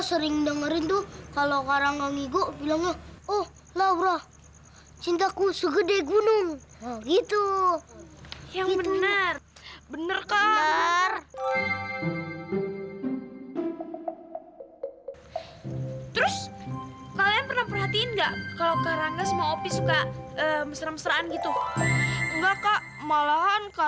sampai jumpa di video selanjutnya